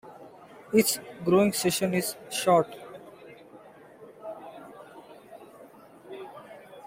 Its growing season is short.